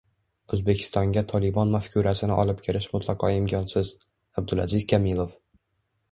O‘zbekistonga ‘Tolibon’ mafkurasini olib kirish mutlaqo imkonsiz — Abdulaziz Komilov